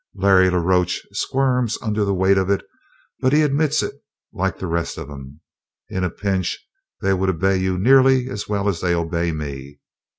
Larry la Roche squirms under the weight of it, but he admits it like the rest of' em. In a pinch they would obey you nearly as well as they obey me.